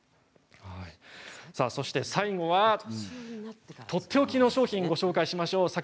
そして最後はとっておきの商品をご紹介しましょう。